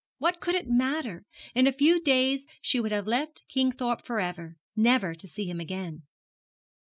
What could it matter? In a few days she would have left Kingthorpe for ever never to see him again.